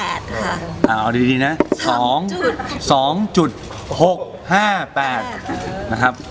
เอาดีนะ๒๒๖๕๘นะครับ